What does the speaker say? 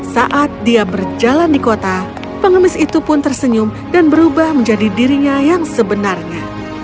saat dia berjalan di kota pengemis itu pun tersenyum dan berubah menjadi dirinya yang sebenarnya